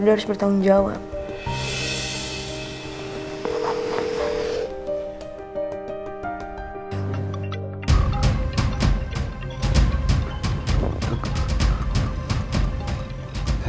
dia harus bertanggung jawab